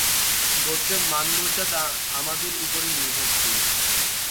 গোত্রের মান-মর্যাদা আমাদের উপরই নির্ভরশীল।